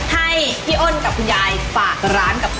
ให้พี่อ้นกับคุณยายฝากร้านกับเขา